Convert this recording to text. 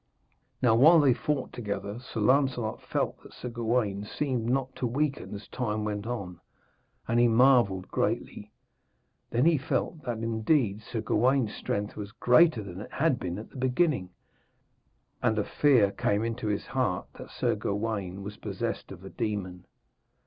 Now while they fought together, Sir Lancelot felt that Sir Gawaine seemed not to weaken as time went on, and he marvelled greatly. Then he felt that indeed Sir Gawaine's strength was greater than it had been at the beginning, and a fear came into his heart that Sir Gawaine was possessed of a demon.